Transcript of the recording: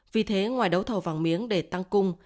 vì thế ngoài đấu thầu vàng miếng để tăng cung